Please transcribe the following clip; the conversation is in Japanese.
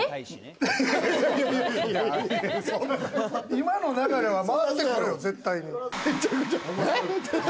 今の流れは回ってくるよ、絶対に。